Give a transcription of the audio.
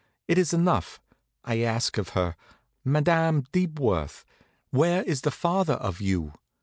It is enough. I ask of her: 'Madam Deepworth, where is the father of you?'